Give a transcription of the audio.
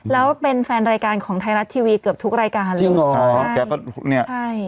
แล้วเป็นแฟนรายการของไทยรัฐทีวีเกือบทุกรายการเลยจริงใช่